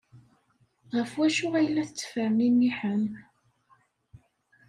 Ɣef wacu ay la tettferniniḥem?